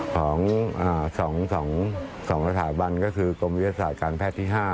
ของอ่าสองสองสองสามสามบันก็คือกรมวิทยาศาสตร์การแพทย์ที่ห้า